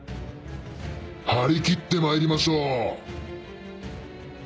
張り切ってまいりましょう！